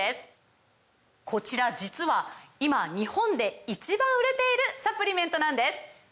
こちら実は今日本で１番売れているサプリメントなんです！